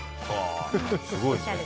すごいね。